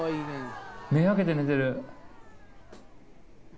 目開けて寝てる。